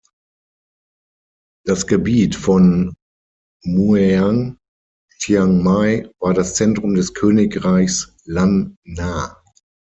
Das Gebiet von Mueang Chiang Mai war das Zentrum des Königreichs Lan Na.